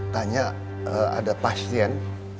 tanya ada pasien